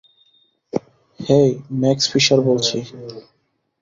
হেই, Max Fisher বলছি।